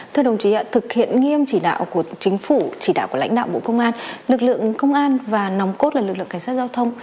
thưa đồng chí thực hiện nghiêm chỉ đạo của chính phủ chỉ đạo của lãnh đạo bộ công an lực lượng công an và nòng cốt là lực lượng cảnh sát giao thông